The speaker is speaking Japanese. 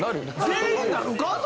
全員なるか？